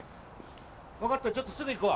分かったちょっとすぐ行くわ。